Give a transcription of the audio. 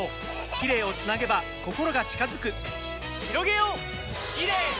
キレイをつなげば心が近づくひろげようキレイの輪！